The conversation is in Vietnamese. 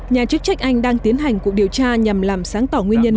nhà chức trách anh đang tiến hành cuộc điều tra nhằm làm sáng tỏ nguyên nhân